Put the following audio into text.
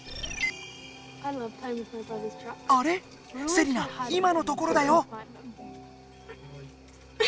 セリナ今のところだよ！